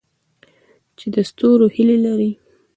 چې د ستورو هیلې لري؟